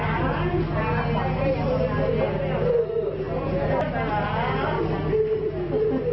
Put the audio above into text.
แม่ครับ